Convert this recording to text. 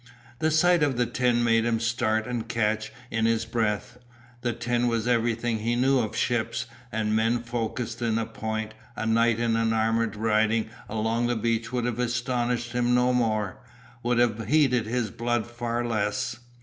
The sight of the tin made him start and catch in his breath. The tin was everything he knew of ships and men focussed in a point, a knight in armour riding along the beach would have astonished him no more, would have heated his blood far less.